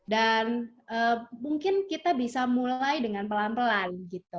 dan mungkin kita bisa mulai dengan pelan pelan